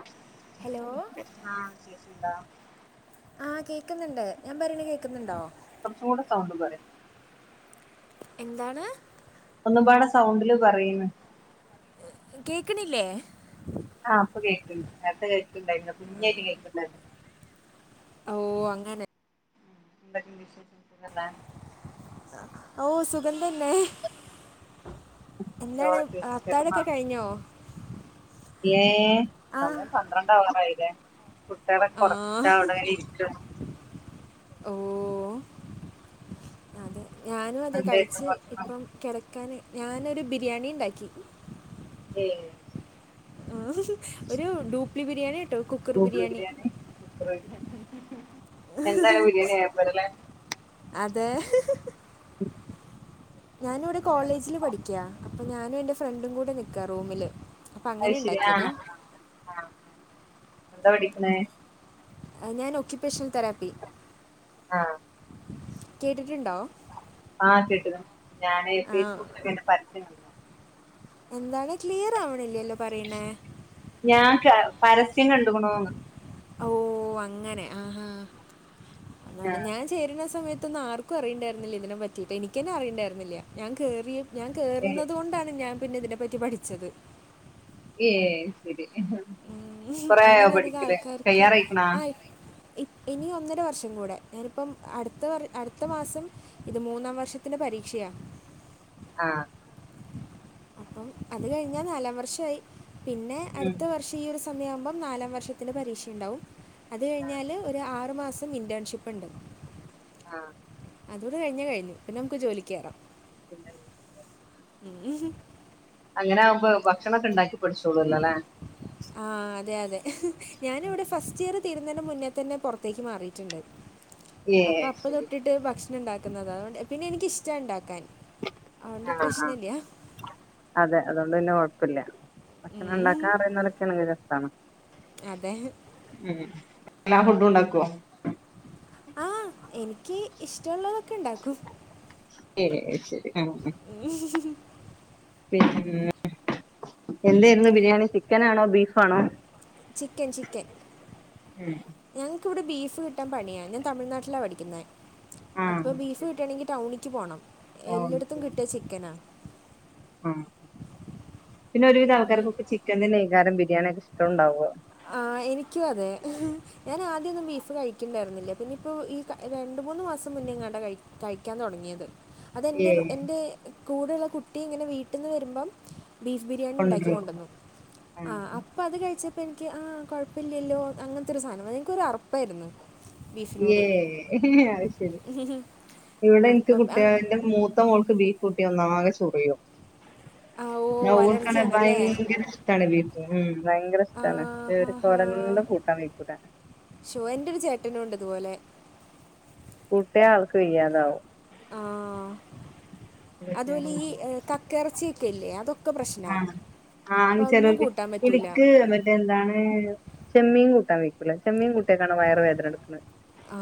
[inaudible] Hello ആഹ് കേക്ക്‌ണ്ടാ ആ കേക്ക്ന്ന് ണ്ട് ഞാൻ പറീണ കേക്കുന്നുണ്ടോ കൊറച്ചുകൂടെ സൗണ്ട് പറിം എന്താണ് ഒന്ന്പാടെ സൗണ്ടില് പറീം [unintelligible] കേക്ക്ണില്ലേ ആ പ്പൊ കേക്ണ്ട് നേര്ത്തെ കേക്ക്ണ്ടാരുന്നു പിഞ്ഞേഅയിനിം കേക്ണ്ടായിനു അവൂ അങ്ങനെ ഇന്ത വിശേഷങ്ങൾ സുഖലോ [inaudible] അവൂ സുഖം തന്നെ എന്താണ് ചോറൊക്കെ വെയ്ച്ച് അത്തായൊക്കെ കഴിഞ്ഞോ ഏ ആ സമയം പന്ത്രണ്ടാവാറായില്ലേ കുട്ടിളൊകെ ആ ഒറകിച്ചാവ്ടെ ഇരിക്ക് ഓ വൊ അതെ ഞാനും അതെ എന്തായിരുന്നു കഴിച്ച് ഭക്ഷണം ഇപ്പം കെടക്കാൻ ഞാനൊരു ബിരിയാണിണ്ടാക്കി ഏ ആ ഒരു ഡൂപ്ലി ബിരിയാണിയാട്ടോ ഡ്യൂബിൾ ബിരിയാണി കുക്കർ [unintelligible] എന്തായാലും ബിരിയാണി ആയപൊരേലെ അതേ ഹ് ഹ് ഉ [inaudible] ഞാനിവ്ടെ കോളേജില് പഠിക്കൃ അപ്പൊ ഞാനും എന്റെ ഫ്രണ്ടും കൂടെ നിക്കാ റൂമില് അയ് ശെരി ആ ആ എന്താ പഠിക്ക്ണ് ഞാൻ ഓക്കിപേഷണ് തെറാപ്പി ആ കേട്ടിട്ട്ണ്ടോ ആ കേട്ട്ക്ണ് ഞാന് ഫേയിസ്ബുക്കിലയ്ൻ്റെ പരസ്യം കണ്ട്ക്ണ് എന്താണ് ക്ലിയർ ആവ്ണില്ലല്ലോ പറീണേ ഞാൻ പ പരസ്യം കണ്ടുക്ണൂന്ന് ഓ അങ്ങനെ ആ ഹാ [unintelligible] ഞാൻ ചേര്ണ സമയത്തൊന്നും ആർക്കും അറിയിണ്ടായിര്ന്നില്ല ഇതിനെ പറ്റീട്ടെ എനിക്കെന്നെ അറിയിണ്ടയിര്ന്നില്ല ഞാൻ കേറിയെ ഞാൻ ഏഹ് കേറുന്നതൊണ്ടാണ് ഞാൻ പിന്നെ ഇതിനെപ്പറ്റി പഠിച്ചത് ഏ ശെരി [unintelligible] അങ്ങനെ അധികം ആൾക്കാർക്ക് കയ്യാറായിക്ക്ണാ ആയി ഇ ഇനിയ ഒന്നര വർഷം കൂടെ ഞാനിപ്പം അടുത്ത വർ അടുത്ത മാസം ഇത് മൂന്നാം വർഷ ത്തിന്റെ പരീക്ഷയാ ആഹ് അപ്പം അത് കഴിഞ്ഞാ നാലാം വർഷയി പിന്നെ ഉം അടുത്ത വർഷം ഈ ഒരു സമയം ആവുമ്പോം നാലാം വർഷത്തിന്റെ പരീക്ഷയുണ്ടാാവും അത് ആഹ് കഴിഞ്ഞാല് ഒരു ആറു മാസം ഇന്റേൺഷിപ്പ്ണ്ട് ആഹ് അതുടെ കഴിഞ്ഞ കഴിഞ്ഞു പിന്നെ നമുക്ക് ജോലിക്കേറാം [unintelligible] [unintelligible] അങ്ങനാഉമ്പോ ഭക്ഷണം ഒക്കെ ഉണ്ടാക്കി പഠിച്ചോളൂല്ലോല്ലേ ആഹ് അതെ അതെ ഞാനിവിടെ ഫസ്റ്റ് ഇയർ തീരുന്നന്റെ മുന്നേ തന്നെ പുറത്തേക്ക് മാറിയിട്ടുണ്ട് അപ്പൊ ഏഹ് അപ്പൊ ശരി തൊട്ടിട്ട് ഭക്ഷ ണണ്ടാക്കുന്നത് അതൊണ്ട് പിന്നെ എനിക്കിഷ്ടണ്ടാക്കാൻ അഓണ്ട് ആഹ് ആഹ് പ്രശ്നല്ല അതെ അതൊണ്ട് വല്യ കൊഴപ്പല്ല ഉം. ഭക്ഷണംണ്ടാക്കാൻ അറിയുന്നലൊക്കെണെങ്കി രസാണ് അതെ ഉം എല്ലാ ഫുഡുണ്ടാക്കോ ആഹ് എനിക്ക് ഇഷ്ടമുള്ളതൊക്കെ ണ്ടാക്കും ശരി ശരി ആഹ് ആഹ് ശരി ശരി പിന്നെ എന്തായിരുന്നു ബിരിയാണി ചിക്കനാണോ ബീഫാണോ ചിക്കൻ ചിക്കൻ ഉം ഞങ്ങക്ക്വ്ടെ ബീഫ് കിട്ടാൻ പണിയാ ഞാൻ തമിഴ്നാട്ടിലാ പഠിക്കുന്നേ അപ്പൊ ആഹ് ബീഫ് ശരി കിട്ടണെങ്കി ടൗണിക്ക് പോണം ആഹ് എല്ലായിടത്തും കിട്ട ചിക്കനാ അഹ് പിന്നെ ഒരുവിധ അങ്ങനെ ആൾക്കാർക്കൊക്കെ ചിക്കൻ നൈകാരം ബിരിയാണിക്കെ ഇഷ്ടംണ്ടാവ ആഹ് എനിക്കു അതെ ഞാൻ ആദ്യംന്നും ബീഫ് കഴിക്ണ്ടായിരുന്നില്ല പിന്നെ ഇപ്പോ ഈ രണ്ട് മൂന്നു മാസം മുന്നെ ങ്ങാണ്ടാ കയി കഴിക്കാൻ തുടങ്ങിയത് അതെൻന്റെ ഏഹ് എൻറ കൂടെള്ള കുട്ടി ഇങ്ങനെ വീട്ടിന്ന് വരുമ്പം ബീഫ് ബിരിയാണിണ്ടാക്കി കൊണ്ടരോ കൊണ്ടൊന്നു ആഹ് അപ്പ അത് കഴിച്ച പ്പ എനിക്ക് ആഹ് കുഴപ്പല്ല്യല്ലോ അങ്ങൻത്തെ ഒരു സാനം എനിക്കൊരു അറപ്പായിരുന്നു ബീഫിനോട് ഏഹ് അഹ് ശരി ഇവിടെ ഇൻക്ക് അപ്പം കുട്ട്യേ അങ്- ന്റെ മൂ ത്ത മോൾക്ക് ബീഫ് കൂട്ടിയ ഒന്നാകെ ചൊറിയും ആഹ് ഞാൻ ഓൾ കാണേ ഭയങ്കര ഇഷ്ടമണ് ബീഫ് ഉം ഭയങ്കര ആ ഇഷ്ടണ് ഹാ ഏറ് ഹാ കോരന്തും കൂട്ടാൻ വയിക്കൂട ഷോ എന്റെ ഒരു ചേട്ടനും ഉണ്ട് ഇതുപോലെ കൂട്ട്യാ ആൾക്ക് വെയ്യാതാവും ആഹ് അതുപോലെ ഈ കക്കിറച്ചിയൊക്കെല്ലേ അതൊക്കെ പ്രശ്നാ ആഹ് അപ്പൊ ആഹ് അഒന്നും ചെലോർക്ക് കൂട്ടാൻ പറ്റൂല എനിക്ക് മറ്റേ എന്താണ് ചെമ്മീൻ കൂട്ടാൻ വൈക്കൂല ചെമ്മീൻ കൂട്ടിയാക്കാണ വയറ് വേദനട്ക്ക്ണ് ആ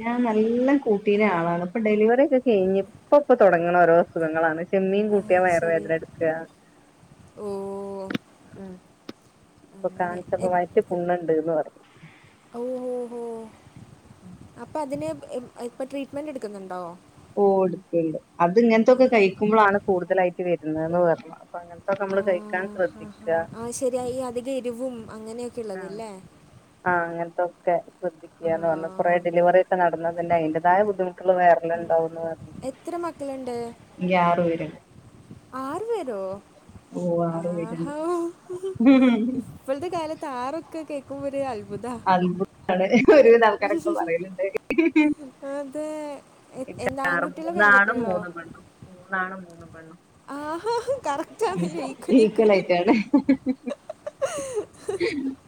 ഞാൻ നല്ല കൂട്ടീന ആളാണ് ഇപ്പൊ ഡെലിവറി ഒക്കെ കഴിഞ്ഞ് പ്പൊ പ്പൊ തൊടങ്ങണ ഓരോ അസുഖങ്ങളാണ് ചെമ്മീൻ അത് കൂട്ടിയാ വയർ ശരി വേദനട്ക്കാ ഓ പ്പൊ അങ്ങനെ കാൺച്ചപ്പോ വയറ്റ് പുണ്ണ്ണ്ട്ന്ന് പറഞ്ഞ് ഓഹ് ഓഹ് അപ്പൊ അതിന് ഇപ് ഇപ്പ ട്രീറ്റ്മെന്റ് എടുക്കുന്നുണ്ടോ ഓഹ് എടുക്ക്ണ്ട് അത് ആ ഇങ്ങൻത്തൊക്കെ കഴിക്കുമ്പോളാണ് കൂടുതലായിട്ട് വരുന്നന്ന് പറഞ് ആഹ് ഹാ ഹാ അഹ് ശരിയാ ഈ അധിക എരിവും അങ്ങനെയൊക്കെ ഉള്ളത് ലേ ആഹ് അങ്ങൻത്തൊക്കെ ശ്രദ്ധി ആ ഇല്ലാന്ന് പറഞ്ഞ് കൊറെ ഡെലിവറിയൊക്കെ നടന്നതല്ലെ അതിന്റതായ ബുദ്ധിമുട്ടുകള് വേറെല്ലെണ്ടാവുന്നറഞ്ഞ് എത്ര മക്കള്ണ്ട് പേരുണ്ട് ആറ് പേരോ ഓ ആറു ആഹ്‌ പേരുണ്ട് ഹൗ ഇപ്പൾത്തെ കാലത്ത് ആറൊക്കെ കേക്കുമ്പോ ഒര് അത്ഭുതാ ഇവടെ ഒരുവിധാൾക്കാരൊക്കെ പറയല്ണ്ടേ [inaudible] അത് എ എന്താ ആൺകുട്ട്യളോ മൂന്നാണും പെൺകുട്ട്യളോ മൂന്ന് പെണ്ണും മൂന്നാണും മൂന്ന് പെണ്ണും. ആഹാ കറക്റ്റാണല്ലോ [inaudible] ഈക്വൽ ഈക്വൽ വീക്കലായിട്ടാണ്. [unintelligible]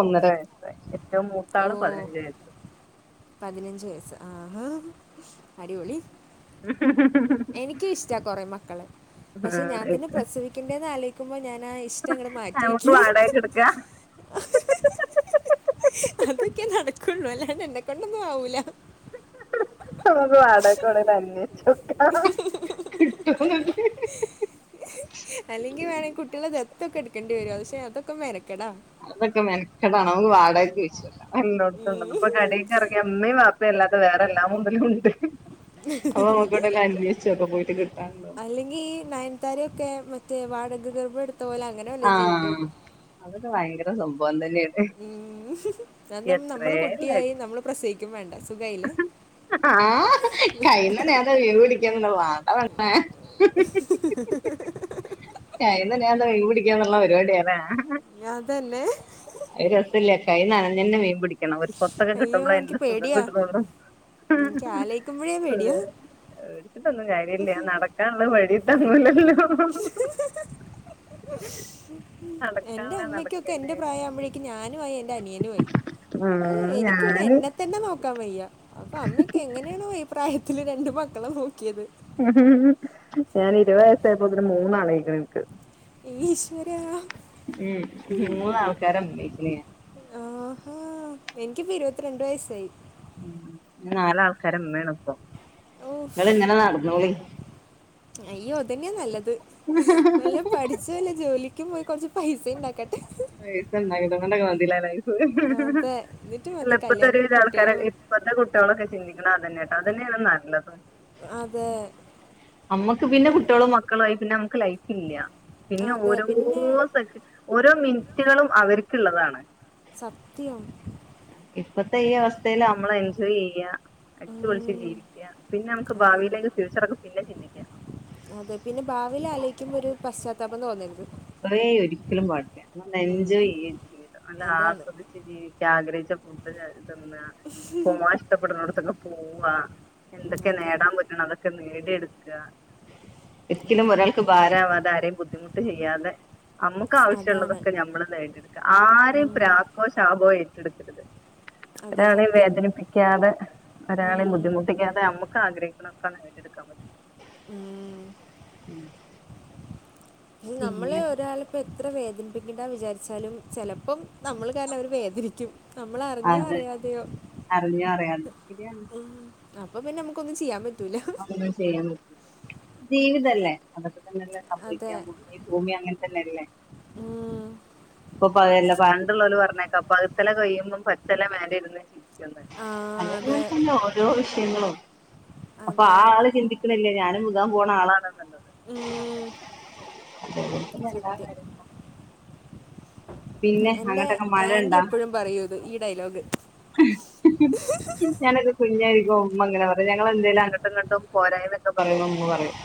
ഒന്നര വയസ്സായി ഏറ്റവും മൂത്താള് ഓഹ്‌ പതിനഞ്ച് വയസ്സ് പതിനഞ്ച് വയസ്സ് ആഹ്‌ ഹ്‌ അടിപൊളി എനിക്കിഷ്ടാ കൊറെ മക്കളെ പക്ഷെ ഞാൻ തന്നെ പ്രസവി ക്കെണ്ടെന്നാലോയിക്കുമ്പോ ഞാനാ ഞമുക്ക് വാടകക്കെടുക്കാ [inaudible] അതൊക്കെ നടക്കൊള്ളൂ അല്ലാണ്ടെന്നെക്കൊണ്ടാവൂല ഞമ്മക്ക് വാടകക്കോണെന്നെ നല്ലെ [unintelligible] കിട്ടോന്നൊന്ന് അല്ലെങ്കിൽ വേണെ കുട്ട്യാളെ ദത്തൊക്കെ എടുക്കേണ്ടി വരും പക്ഷെ അതൊക്കെ മെനെക്കടാ അതൊക്കെ മെനക്കെടാണ്. നമ്മക്ക് വാടകക്കോയ്ച്ചോക്കാ ഇല്ലോട്ത്തുണ്ടോ ഉം. കടക്കെറങ്ങിയാ ഇമ്മീം ബാപ്പിമ് അല്ലാത്തെ വേറെ എല്ലാ മുതലുണ്ട് അപ്പൊ നമുക്കിവിടൊക്കെ അന്വേഷിച്ചൊക്കാ പോയിട്ട് കിട്ടാണ്ടോന്ന് അല്ലെങ്കിൽ ഈ നയൻതാരയൊക്കെ മറ്റേ വാടക ഗർഭ എടുത്ത പോലങ്ങനെ ആഹ്‌ അതൊക്കെ ഭയങ്കര സംഭവം തന്നെയാണ്. ഹ്മ്മ് ന എത്രേ നമ്മള് കുട്ടിയായി ലക്ഷം നമ്മള് പ്രസവിക്കും വേണ്ട സുഖായില്ലേ ആഹ്‌ കയ്ന നേരം മീൻ പിടിക്കുന്നുണ്ട് വാണ്ട പെണ്ണെ [inaudible] കൈന നേരം മീൻ പിടിക്കാന്നുള്ള പരിവാടിയാല്ലേ അതന്നെ അത് രസല്ല കൈ നനഞ്ഞന്നെ മീൻ പിടി ഒരു കൊത്തൊക്കെ അയ്യോ കിട്ടുമ്പളെ എനിക്ക് അയിന്റെ സുഖം പേടിയാ കിട്ട്ണൊള്ളൂ. എനിക്ക് ആലോചിക്കുമ്പോഴേ അതെ പേടിയാ പേടിച്ചിട്ടൊന്നും കാര്യല്ല നടക്കാനുള്ള വഴി തങ്ങുലല്ലോ [inaudible] എന്റെ നടക്കാനുള്ള അമ്മയ്ക്കൊക്കെ എന്റെ നടക്കന്നെ പ്രായാമ്പഴേ എനിക്ക് ഞാനുവായി എന്റെ അനിയനും ആയി ഈഹ് ഉം എനിക്കിവിടെ ഞാന് എന്നെ തന്നെ നോക്കാൻ വയ്യ അപ്പൊ അമ്മയൊക്കെ എങ്ങനെയാണോ ഈ പ്രായത്തില് രണ്ട് മക്കളെ നോക്കിയത്. [inaudible] ഞാന് ഇരുവയസായപ്പോതിന് മൂന്നാളായിക്ക്ണ് ഇന്ക്ക് ഈശ്വര ഹ്മ്മ് മൂന്നാൾക്കാരെ ഇമ്മി ലെ ആഹ്‌ ഹാ എനിക്കിപ്പോ ഇരുപത്തിരണ്ട് വയസ്സായി. ഹ്മ്മ് ഇനി നാലാൾക്കാരെ ഇമ്മേണ് ഇപ്പൊ ഓഫ്, ഇങ്ങളിങ്ങനെ നടന്നോളി അയ്യോ അതന്നെ നല്ലത് [inaudible] വല്ലോം പഠിച്ച് വെല്ല ജോലിക്കും പോയി കൊറച്ച് പൈസണ്ടാക്കട്ടെ പൈസണ്ടാക്കട്ടെ ഇന്നട്ടൊക്കെ മതി ലെ ലൈഫ്. അതെ എന്നിട്ട് അല്ല മതി ഇപ്പത്തെ കല്യാണം ഒരുവിധ കുട്ടികളും ആൾക്കാരങ്ങനെ ഇപ്പത്തെ കുട്ട്യാളൊക്കെ ചിന്തിക്ക്ണെ അതന്നെട്ടോ, അതന്നെയാണ് നല്ലത് അതെ. അമ്മക്ക് പിന്നെ കുട്ട്യോളും മക്കളായി പിന്നെ നമക്ക് ലൈഫില്ല്യ. പിന്നെ അതെ ഓരോ പിന്നെ സെക്ഷ ഓരോ മിൻറ്റ്കളും അവര്ക്ക്ള്ളതാണ്. സത്യം. ഇപ്പത്തെ ഈ അവസ്ഥയില് നമ്മളെൻജോയ് ചെയ്യാ അടിച്ച് പൊളിച്ച് ഉം. ജീവിക്കാ, പിന്നെ നമ്മക്ക് അതന്നെ ഭാവീലേക്ക് ഫ്യൂച്ചറൊക്കെ പിന്നെ ചിന്തിക്കാ അതെ, പിന്നെ ഭാവിലാലോയ്ക്കുമ്പോ ഒര് പശ്ചാത്താപം തോന്നരുത്. ഏയ് ഒരിക്കലും പാടില്ല. നല്ല എൻജോയ് ചെയ്യ് ജീവിതം നല്ല അതാണ് ആസ്വദി ച്ച് ജീവികാ ആഗ്രഹിച്ച ഫുഡൊക്കെ തിന്നാ പോവാൻ ഇഷ്ടപ്പെടുന്നോട്ത്തൊക്കെ പോവാ ഉം, എന്തൊക്കെ അതെ നേടാൻ പറ്റ്ണെ അതൊക്കെ നേടിയെട്ക്ക ഒരിക്കലും ഒരാൾക്ക് ഭാരാവാതെ ആരെയും ബുദ്ധിമുട്ട് ചെയ്യാതെ അമ്മ ക്ക് അതാണ് വശ്യള്ളതൊക്കെ ഞമ്മള് നേടിയെട്ക്ക ആരും ഉം. പ്രാക്കോ ശാപോ ഏറ്റെട്ക്കര്ത് അതെ ഒരാളെയും സത്യം വേദനിപ്പിക്കാതെ ഒരാളെയും ഉം. ബുദ്ധിമുട്ടിക്കാതെ നമ്മക്ക് ആഗ്രഹിക്കണൊക്കെ നേ എടുക്കാം പറ്റണം ഉം. നമ്മള് ഒരാളിപ്പോ എത്ര വേദനിപ്പിക്കേണ്ടാ വിചാരിച്ചാലും ചെലപ്പം നമ്മള് കാരണം അവര് വേദനിക്കും നമ്മള് അറിഞ്ഞോ അത് അറിയാതേയോ അറിഞ്ഞോ അറിയാതെ ശെരിയാണ് അപ്പൊ പിന്നെ നമുക്കൊന്നും ചെയ്യാ പറ്റൂല ചെയ്യാ പറ്റൂല ജീവിതല്ലേ അതൊക്കെ തന്നെല്ലെ അതെ സംഭവിക്കാൻ പോണെ ഈ ഭൂമി അങ്ങൻതന്നെയല്ലേ ഉം ഇപ്പൊ പ പണ്ട്ള്ളോല് പർഞ്ഞേക്കാ പഴ്ത്തല കൊഴിയുമ്പം പച്ചല മേലെയിര്ന്ന് ചിരിക്കു ന്ന് ആ അതെ അങ്ങൻതെന്നെ ഓരോ വിഷയങ്ങളും അപ്പൊ ആ അതെ ആള് ചിന്തി ണ്ല്യാ ഞാനും വിഖാൻ പോണ ആളാണെന്ന്ള്ളത് ഉം, ന എന്റെ അങ്ങട്ടൊക്കെ മഴ ആന്റി ഇണ്ടാ എപ്പഴും പറയൂത് ഈ ഡയലോഗ് ഞാനൊക്കെ കുഞ്ഞായിരിക്കും ഉമ്മങ്ങനെ പറയും ഞങ്ങളെന്തേലും അങ്ങട്ടും ഇങ്ങട്ടും പോരായ്മൊന്നൊക്ക പറയുമ്പം ഇമ്മ പറയും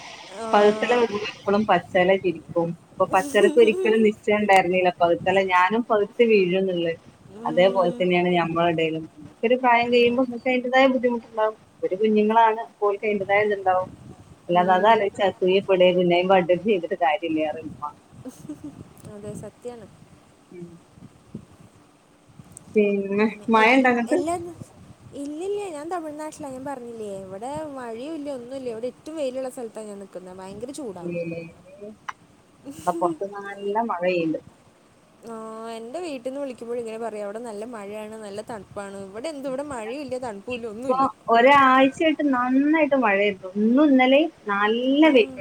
ആഹ് [unintelligible] ളും പച്ചല ചിരിക്കും അപ്പൊ പച്ചലക്ക് ഒരിക്കലും നിശ്ചണ്ടായിരുന്നീല പകുത്താല്ലേ ഞാനും പഴ്ത്ത് വീഴുന്ന്ള്ളേ അതേപോൽതന്നേണ് ഞമ്മളെ എടേലും ഇങ്ങക്കൊരു പ്രായം കഴിയുമ്പോ ഇങ്ങക്ക് ഐന്റേതായ ബുദ്ധിമുട്ടുണ്ടാവും ഇവര് കുഞ്ഞുങ്ങളാണ് അപോൽക്ക് ഐന്റേതായ ഇത്ണ്ടാവും അല്ലാതെ അതാലോയ്ച്ച് അസൂയപ്പെടെ കുന്നായ്മാ കാട്ടെ ചെയ്തിട്ട് കാര്യല്യാറിമ്മ അതെ സത്യാണ് ഉം പിന്നെ എ മഴണ്ടോ അങ്ങട്ട് എല്ലാ ഇല്ലില്ല ഞാൻ തമിഴ്നാട്ടിലാ ഞാൻ പർഞ്ഞില്ലേ ഇവടെ മഴീല്ല ഒന്നുല്ല ഇവടെ റ്റവും വെയില്ള്ള സ്ഥലത്താണ് ഞാൻ നിക്കുന്നെ ഭയങ്കര ചൂടാണ് ഇമ്മേ ഇവടെ പൊർത്ത നാല്ല മഴയ്യ്ണ്ട് ആഹ് എന്റെ വീട്ടീന്ന് വിളിക്കുമ്പയും ഇങ്ങനെ പറയും അവിടെ നല്ല മഴയാണ് നല്ല തൺപ്പാണ് ഇവടെ എന്ത് ഇവടെ മഴീല്ല തണുപ്പുല്ല ഒന്നുല്ല്യ ഒരാഴ്ചായിട്ട് നന്നായിട്ട് മഴയ്ര്ന്നു ഇന്നും ഇന്നലേം നല്ല വെ ഉം.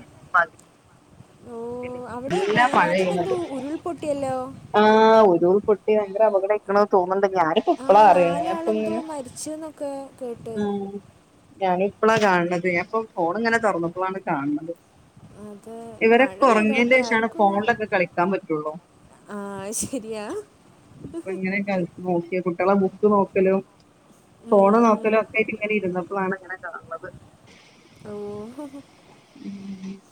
ഓ അവിടെ നല്ല വയനാട്ടിലെന്തോ മഴെയ്യുന്നുണ്ട് ഉരുൾപൊട്ടിയല്ലോ ആഹ് ഉരുൾപൊട്ടി ഭയങ്കര അപകടായ്ക്ക്ണ് തോന്ന്ണ്ട് ഞാന് ആ ഇപ്പളാ അറിണെ നാലാളെന്തോ ഞാപ്പങ്ങനെ മരിച്ചെന്നൊക്കെ കേട്ട് ഞാണ്പ്പളാ കാൺണത് ഞാൻ ഇപ്പെ ഫോണ്ങ്ങനെ തൊറന്നപ്പളാണ് കാൺണത് അത് മഴ ഇവരൊക്കെ പെയ്തോട്ടെ ഒർങ്ങേൻ്റേഷാണ് ഫോൺലൊക്കെ കളിക്കാൻ പറ്റൊള്ളൂ ആഹ് ശ രിയ ഇപ്പ ഇങ്ങനെ ക നോക്കിയ കുട്ട്യളെ ബുക്ക് നോക്കലും ഫോണ് ഉം. നോക്കലോ ഒക്കെയ്റ്റ് ഇങ്ങനെ ഇരുന്നപ്പളാണ് ഇങ്ങനെ ക ഓഹ് ഉം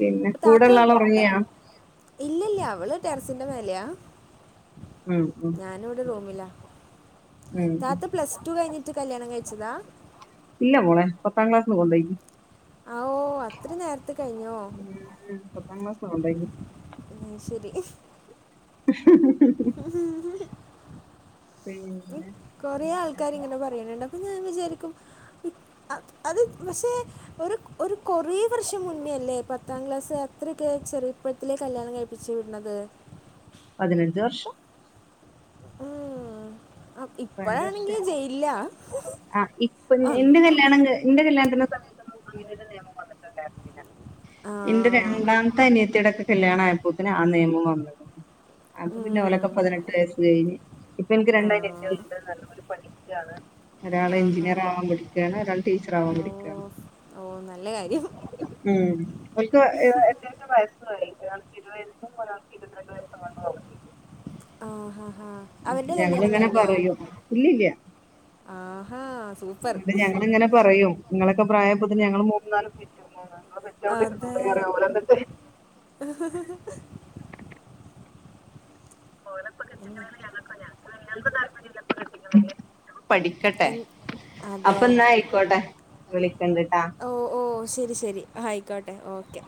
പിന്നെ പ്പ താത്ത കൂടെള്ള ആള് ഉറങ്ങിയാ ഇല്ലല്ല അവള് ടെറസിന്റെ മേലെയാ ഉം ഉം ഞാനവ്ടെ റൂമിലാ ഉം ഉം താത്ത പ്ലസ് ടു കഴിഞ്ഞി ട്ട് കല്യാണം കഴിച്ചതാ ഇല്ല മോളെ പത്താംക്ലാസ്സിന്ന് കൊണ്ടേയ്ക്ക് ആ ഓ അത്ര നേരത്തെ കഴിഞ്ഞോ ഉം പത്താംക്ലാസ്ന്ന് ഒണ്ടായ്നി ഉം ശെരി പിന്നെ കൊറേ ആൾക്കാര്ങ്ങനെ പറയ്ണണ്ട് അപ്പൊ ഞാൻ വിചാര്ക്കും ഉം ആഹ് അത് പക്ഷേ ഒര് ഒരു കൊറേ വർഷം മുന്നേയല്ലേ പത്താം ക്ലാസ് അത്രക്കെ ചെറിപ്പ പ്പത്ത്ലെ കല്യാണം കഴിപ്പിച്ച് വിട്ണത് പതിനഞ്ച് വർഷം ഉം ആഹ് ആം പതിനഞ്ച് ഇപ്പഴാണെങ്കി വർഷായി ജയ്യ്‌ല്ല ആം ല്യാണങ്ക് ന്റെകല്യാണ്ത്ത്ന്റെ സമയത്തൊന്നും അങ്ങനൊരു നിയമം വന്നിട്ടുണ്ടായ്രിനന്ന്ല്ല ആ. ന്റെ രണ്ടാമത്ത് ന്റെ അനിയത്തിടെക്കെ കല്ല്യാണായപ്പോത്തിന് ആ നെയമം വന്ന്ക്ക്ണ് അപ്പൊ പിന്നെ ഓലൊക്കെ ഉം. പതിനെട്ട് വയസ്സ്കയ്ഞ്ഞ് ഇപ്പൻക്ക് ആ. രണ്ട് അനിയ ത്തിൾണ്ട് നല്ല പഠിക്കാണ് ഒരാള് ആഹാ. എഞ്ചിനീയർ ആവാൻ പഠിക്കാണ് ഒരാൾ ടീച്ചർ ആവാൻ പഠി ഓഹ് നല്ലകാര്യം ഉം ഒൽക്ക് എഹ് എത്രമത്തെ വയസ്സായ് ഒരാക്ക് ഇരുവയസ്സും ഒരാക്ക് ഇരത്രണ്ട് വയസ്സും എങ്ങാണ്ടോ ആവുന്നുണ്ട് ആഹ് ഹഹ അവര്ടെ ഞങ്ങളിങ്ങനെ കല്യാണംകഴിഞ്ഞോ പറയും ഇല്ലില്ല ആഹ് ഹാ സൂഫ് ന്ന്ട്ട് ഞങ്ങള്ങ്ങനെ പറയും ങ്ങളൊക്കെ പ്രായാപത്ത്ന് ഞങ്ങള് മൂന്ന് നാല് പെറ്റുക്കു ആഹ് ങ്ങൾ പെറ്റവ്ടെ ഇര്ന്നോളി അതെ പറേം ഓലെന്ന്ട്ട് പിന്നെ ഞങ്ങക്കുങ്ങ്നാ അഹ് ഞങ്ങ്ക്ക് താല്പര്യല്പ്പ്പം കെട്ടിക്ക്ണേന് പഠിക്കട്ടെ എൻ അതെ അപ്പന്നായ്ക്കോട്ടെ വിളിക്കൺണ്ട്ട്ടാ ഓഹ് ഓഹ് ശെരി ശെരി ആയ്ക്കോട്ടെ ഓക്കെ